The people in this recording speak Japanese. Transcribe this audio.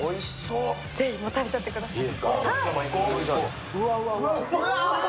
ぜひ食べちゃってください。